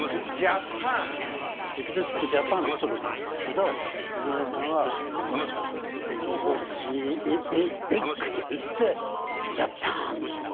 「エキゾチック・ジャパン」のひと言なんですけど井上さんはと言って「ジャパン！」と。